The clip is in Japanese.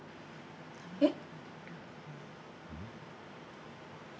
えっ。